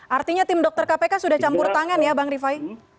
artinya tim dokter kpk sudah campur tangan ya bang rifai